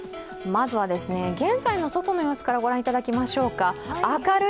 まずは現在の外の様子から御覧いただきましょうか。